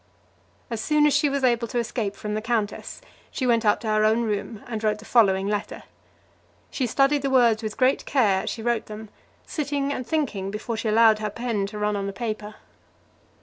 As soon as she was able to escape from the countess, she went up to her own room, and wrote the following letter. She studied the words with great care as she wrote them, sitting and thinking before she allowed her pen to run on the paper.